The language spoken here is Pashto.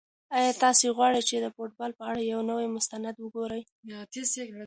آیا تاسو غواړئ چې د فوټبال په اړه یو نوی مستند وګورئ؟